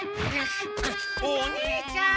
お兄ちゃん！